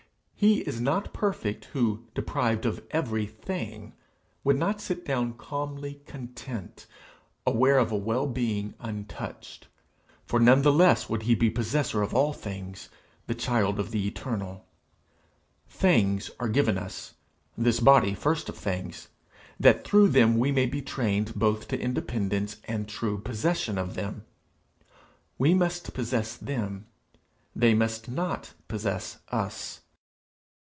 He is not perfect who, deprived of every thing, would not sit down calmly content, aware of a well being untouched; for none the less would he be possessor of all things, the child of the Eternal. Things are given us, this body first of things, that through them we may be trained both to independence and true possession of them. We must possess them; they must not possess us.